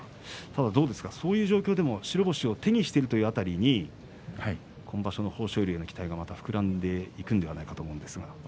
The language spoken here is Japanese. そういう状況でも白星を手にしているという辺り今場所、豊昇龍への期待が膨らんでいくんじゃないかと思いますが。